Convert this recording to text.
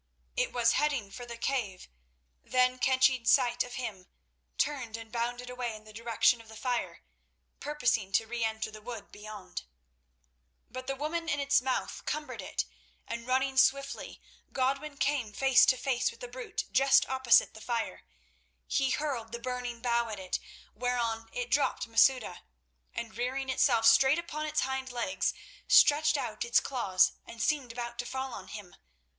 It was heading for the cave, then catching sight of him, turned and bounded away in the direction of the fire, purposing to reenter the wood beyond. But the woman in its mouth cumbered it, and running swiftly, Godwin came face to face with the brute just opposite the fire. He hurled the burning bough at it, whereon it dropped Masouda, and rearing itself straight upon its hind legs, stretched out its claws, and seemed about to fall on him.